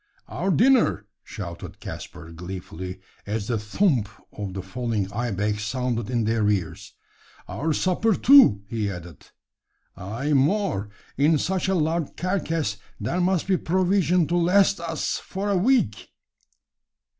"Our dinner!" shouted Caspar, gleefully, as the "thump" of the falling ibex sounded in their ears. "Our supper, too," he added. "Ay, more! In such a large carcass there must be provision to last us for a week!"